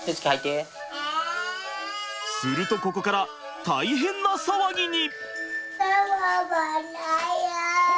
するとここから大変な騒ぎに！